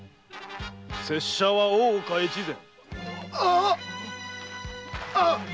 拙者は大岡越前。